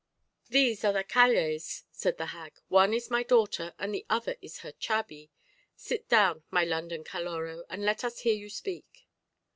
"These are Callées," said the hag; "one is my daughter and the other is her chabi. Sit down, my London Caloró, and let us hear you speak."